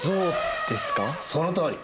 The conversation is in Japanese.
そのとおり。